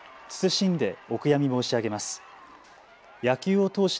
謹んでお悔やみ申し上げます。